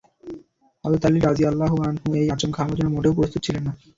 হযরত আলী রাযিয়াল্লাহু আনহু এই আচমকা হামলার জন্য মোটেও প্রস্তুত ছিলেন না।